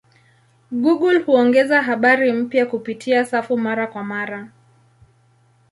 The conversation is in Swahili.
Google huongeza habari mpya kupitia safu mara kwa mara.